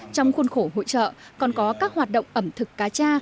trong khuôn khổ hội trợ còn có các hoạt động ẩm thực cá cha